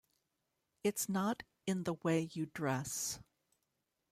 It's not in the way you dress.